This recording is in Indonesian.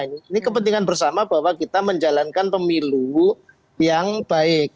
ini kepentingan bersama bahwa kita menjalankan pemilu yang baik